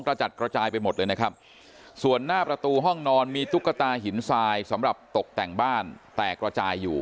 จัดกระจายไปหมดเลยนะครับส่วนหน้าประตูห้องนอนมีตุ๊กตาหินทรายสำหรับตกแต่งบ้านแตกระจายอยู่